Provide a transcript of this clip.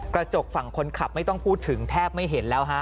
กระจกฝั่งคนขับไม่ต้องพูดถึงแทบไม่เห็นแล้วฮะ